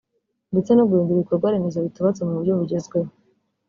ndetse no guhindura ibikorwaremezo bitubatse mu buryo bugezweho